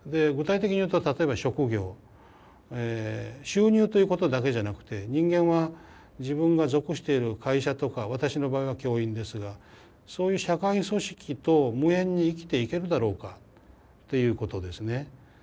具体的に言うと例えば職業収入ということだけじゃなくて人間は自分が属している会社とか私の場合は教員ですがそういう社会組織と無縁に生きていけるだろうかということですね。